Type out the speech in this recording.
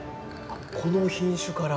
この品種から？